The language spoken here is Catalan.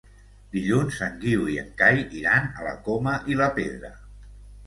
Dilluns en Guiu i en Cai iran a la Coma i la Pedra.